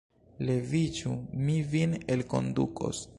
Leviĝu, mi vin elkondukos!